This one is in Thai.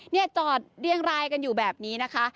เนี่ยจอดเรียงรายกันอยู่แบบนี้นะคะ